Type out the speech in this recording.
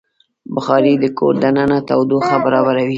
بخاري د کور دننه تودوخه برابروي.